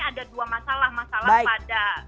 ada dua masalah masalah pada